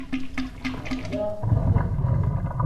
Aql-aɣ am atmaten.